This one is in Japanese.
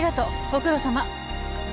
ご苦労さま。